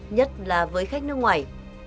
nhất là với khách nước ngoài